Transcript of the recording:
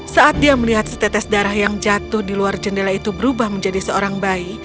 saat dia melihat setetes darah yang jatuh di luar jendela itu berubah menjadi seorang bayi